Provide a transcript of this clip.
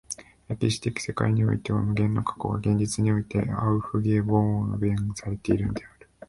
歴史的世界においては無限の過去が現在においてアウフゲホーベンされているのである。